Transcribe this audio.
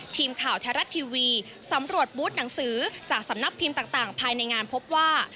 ทีมข่าวแท้รัฐทีวีสำรวจบูธหนังสือจากสำนักพิมพ์ต่างภายในงานพบว่า